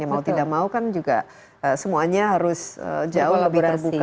mau tidak mau kan juga semuanya harus jauh lebih terbuka